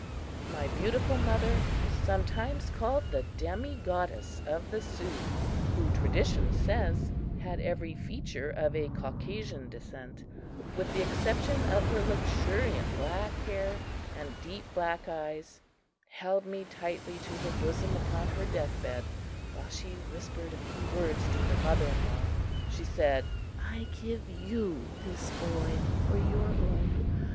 My beautiful mother, sometimes called the "Demi Goddess" of the Sioux, who tradition says had every feature of a Caucasian descent with the exception of her luxuriant black hair and deep black eyes, held me tightly to her bosom upon her death bed, while she whispered a few words to her mother in law. She said: "I give you this boy for your own.